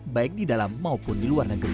baik di dalam maupun di luar negeri